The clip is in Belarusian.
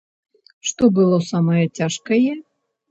Што было самае цяжкае?